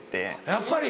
やっぱり。